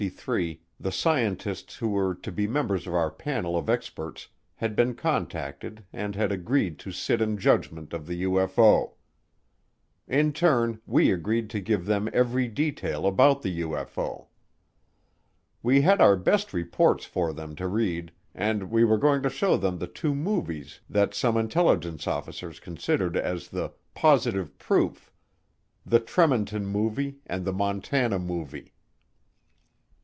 CHAPTER SIXTEEN The Hierarchy Ponders By early January 1953 the scientists who were to be members of our panel of experts had been contacted and had agreed to sit in judgment of the UFO. In turn, we agreed to give them every detail about the UFO. We had our best reports for them to read, and we were going to show them the two movies that some intelligence officers considered as the "positive proof" the Tremonton Movie and the Montana Movie.